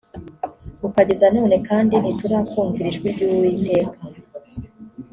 ukageza none kandi ntiturakumvira ijwi ry uwiteka